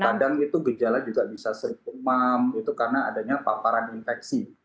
kadang itu gejala juga bisa sering demam itu karena adanya paparan infeksi